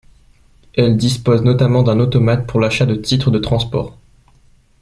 Elle dispose notamment d'un automate pour l'achat de titres de transport.